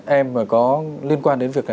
em có liên quan đến việc